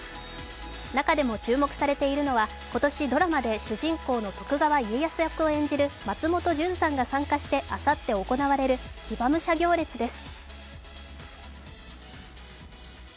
中でも注目されているのは今年ドラマで主人公の徳川家康役を演じる松本潤さんが参加してあさって行われる騎馬武者行列です。